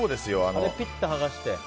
ピッと剥がして。